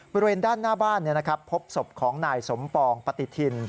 บริเวณด้านหน้าบ้านพบศพของนายสมปองปฏิทิน